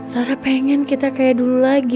sarah pengen kita kayak dulu lagi